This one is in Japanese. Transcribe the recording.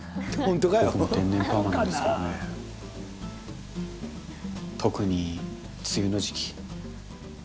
僕も天然パーマなんですけどね、特に梅雨の時期。